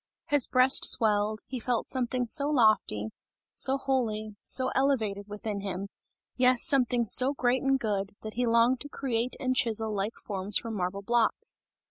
His breast swelled, he felt something so lofty, so holy, so elevated within him, yes, something so great and good, that he longed to create and chisel like forms from marble blocks.